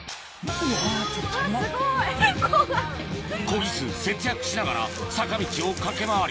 コギ数節約しながら坂道を駆け回り